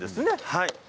はい。